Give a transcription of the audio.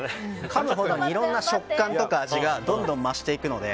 かむごとにいろんな食感とか味がどんどん増していくので。